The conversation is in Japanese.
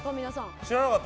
知らなかった。